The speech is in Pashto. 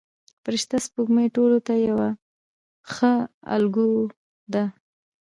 فرشته سپوږمۍ ټولو ته یوه ښه الګو ده.